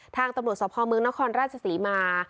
ทางตำรวจสภเมืองนครราชศรีมา